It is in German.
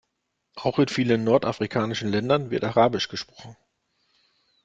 Auch in vielen nordafrikanischen Ländern wird arabisch gesprochen.